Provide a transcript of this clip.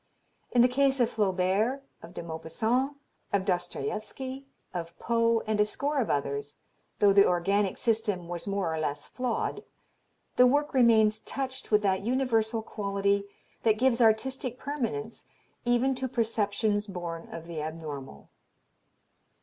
In the case of Flaubert, of De Maupassant, of Dostoievsky, of Poe, and a score of others, though the organic system was more or less flawed, the work remains touched with that universal quality that gives artistic permanence even to perceptions born of the abnormal."